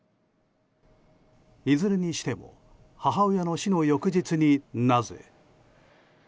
いずれにしても母親の死の翌日になぜ？